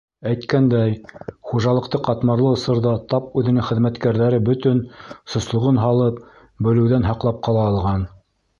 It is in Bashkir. Әйткәндәй, хужалыҡты ҡатмарлы осорҙа тап үҙенең хеҙмәткәрҙәре бөтөн сослоғон һалып, бөлөүҙән һаҡлап ҡала алған.